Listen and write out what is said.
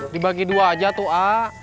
dibagi dua aja tuh a